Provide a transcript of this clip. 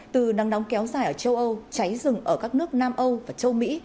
từ nắng nóng kéo dài ở châu âu cháy rừng ở các nước nam âu và châu mỹ